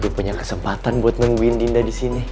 jadi gue punya kesempatan buat nungguin tinda di sini